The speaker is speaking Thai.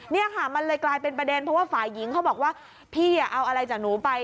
นี่ค่ะมันเลยกลายเป็นประเด็นเพราะว่าฝ่ายหญิงเขาบอกว่าพี่เอาอะไรจากหนูไป